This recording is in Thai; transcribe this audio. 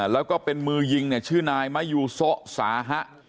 แล้วก็เป็นมือยิงเนี่ยชื่อนายมะยูโซะสาหะ